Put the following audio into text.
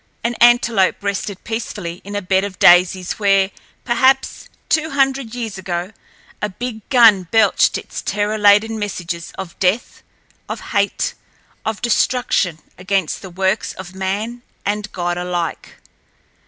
An antelope rested peacefully in a bed of daisies where, perhaps, two hundred years ago a big gun belched its terror laden messages of death, of hate, of destruction against the works of man and God alike.